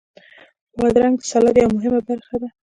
بادرنګ د سلاد یوه مهمه برخه ده.